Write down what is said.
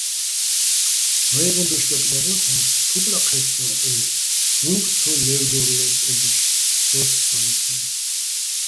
ვაჲღეჼ დოშ დაკდა́ღო სოჼ: თუკლაჸ ჴე́თ სოჼ, უ̂ნკ ცო ლე́ვდორლო́ს ე დოშ - დო́ს სა́ისუჲნი̆.